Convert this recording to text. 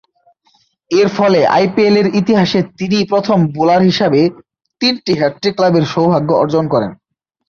এরফলে আইপিএলের ইতিহাসে তিনিই প্রথম বোলার হিসেবে তিনটি হ্যাট্রিক লাভের সৌভাগ্য অর্জন করেন।